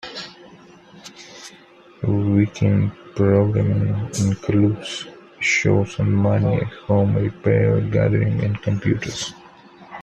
Weekend programming includes shows on money, home repair, gardening and computers.